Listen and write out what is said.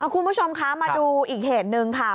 คุณผู้ชมคะมาดูอีกเหตุหนึ่งค่ะ